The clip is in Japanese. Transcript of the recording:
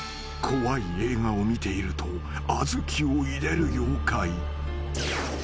［怖い映画を見ていると小豆を入れる妖怪］